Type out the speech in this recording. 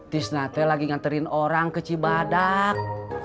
tisnata lagi nganterin orang ke cibadak